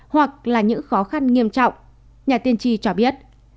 với khó khăn nghiêm trọng nhà tiên tri cho biết